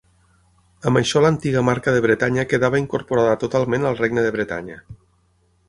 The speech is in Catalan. Amb això l'antiga Marca de Bretanya quedava incorporada totalment al regne de Bretanya.